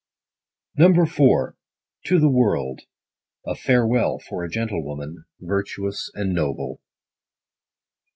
100 IV. — TO THE WORLD. A Farewell for a Gentlewoman, virtuous and noble.